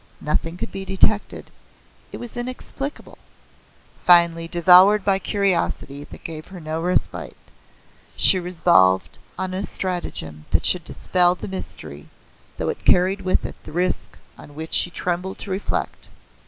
Nothing could be detected. It was inexplicable. Finally, devoured by curiosity that gave her no respite, she resolved on a stratagem that should dispel the mystery, though it carried with it a risk on which she trembled to reflect.